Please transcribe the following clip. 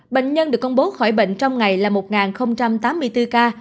bệnh nhân được công bố khỏi bệnh trong ngày là một tám mươi bốn ca